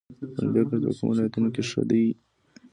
د پنبې کښت په کومو ولایتونو کې ښه دی؟